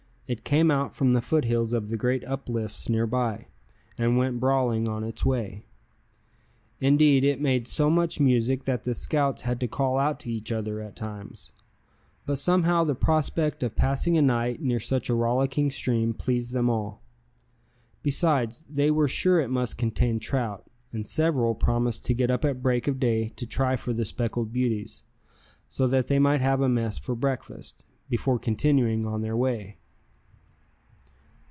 It came out from the foothills of the great uplifts near by, and went brawling on its way. Indeed, it made so much music that the scouts had to call out to each other at times; but somehow the prospect of passing a night near such a rollicking stream pleased them all. Besides, they were sure it must contain trout, and several promised to get up at break of day to try for the speckled beauties, so that they might have a mess for breakfast, before continuing on their way.